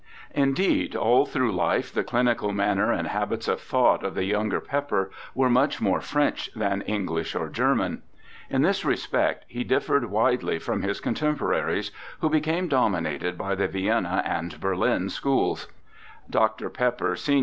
Indeed, all through life the clinical manner and habits of thought of the younger Pepper were much more French than English or German. In this respect he differed widely from his contemporaries, who became dominated by the Vienna and Berlin Schools. Dr. Pepper, sen.